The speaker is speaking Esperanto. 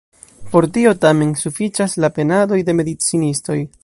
Por tio, tamen, ne sufiĉas la penadoj de medicinistoj.